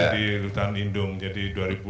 itu di lutan indung jadi dua ribu delapan belas